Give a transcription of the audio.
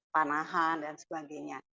panahan dan sebagainya